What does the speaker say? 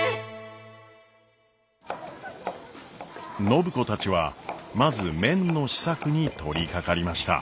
暢子たちはまず麺の試作に取りかかりました。